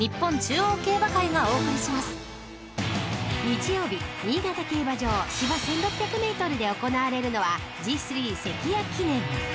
［日曜日新潟競馬場芝１，６００ｍで行われるのはＧⅢ関屋記念］